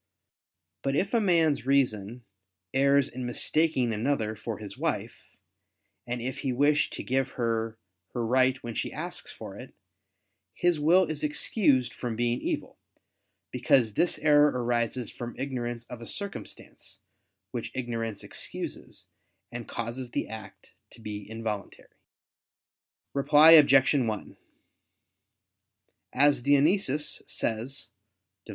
But if a man's reason, errs in mistaking another for his wife, and if he wish to give her her right when she asks for it, his will is excused from being evil: because this error arises from ignorance of a circumstance, which ignorance excuses, and causes the act to be involuntary. Reply Obj. 1: As Dionysius says (Div.